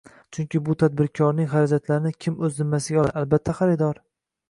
Chunki bu tadbirkorning xarajatlarini kim o'z zimmasiga oladi? Albatta xaridor